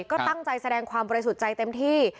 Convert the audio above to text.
ก็ตั้งใจแสดงความบริสุทธิ์ใจเต็มที่